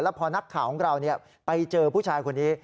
พอนักข่าวของเราไปเจอผู้ชายคนนี้